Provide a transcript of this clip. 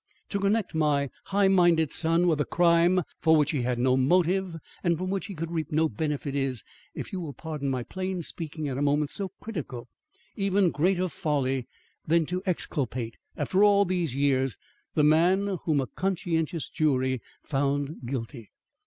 To connect my high minded son with a crime for which he had no motive and from which he could reap no benefit is, if you will pardon my plain speaking at a moment so critical, even greater folly than to exculpate, after all these years, the man whom a conscientious jury found guilty.